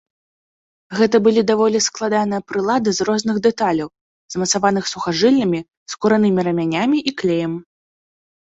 Гэта былі даволі складаныя прылады з розных дэталяў, змацаваных сухажыллямі, скуранымі рамянямі і клеем.